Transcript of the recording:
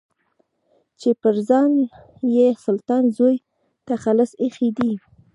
چې پر ځان يې سلطان زوی تخلص ايښی دی.